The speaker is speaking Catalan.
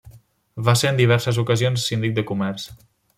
Va ser en diverses ocasions síndic de comerç.